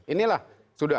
ini lah sudah